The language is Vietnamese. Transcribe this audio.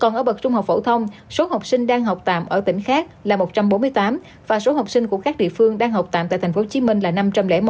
còn ở bậc trung học phổ thông số học sinh đang học tạm ở tỉnh khác là một trăm bốn mươi tám và số học sinh của các địa phương đang học tạm tại tp hcm là năm trăm linh một